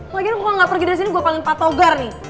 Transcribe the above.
lagian kalo gak pergi dari sini gue panggil patogar nih